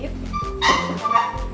ini kembaliannya pak